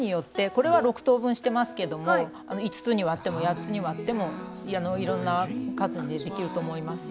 これは６等分してますけども５つに割っても８つに割ってもいろんな数にできると思います。